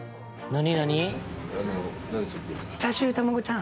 何？」